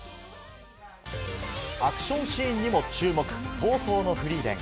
アクションシーンにも注目、葬送のフリーレン。